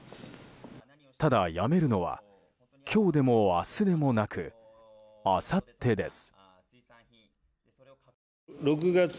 ただ、辞めるのは今日でも明日でもなくあさってです。